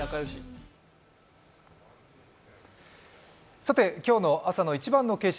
さて、今日の朝の一番の景色